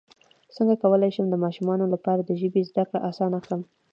څنګه کولی شم د ماشومانو لپاره د ژبې زدکړه اسانه کړم